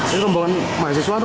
terum orang pesan teman dia